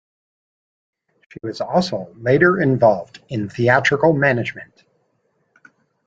She was also later involved in theatrical management.